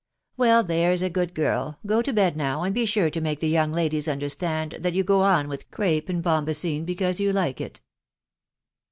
" Well, there's a good girl, go to bed now, and be sure to make the young ladies understand that you go on with crape and bombasin because you like it."